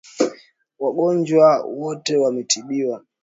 Wagonjwa wote wametibiwa.